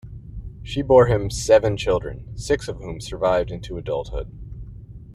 She bore him seven children, six of whom survived into adulthood.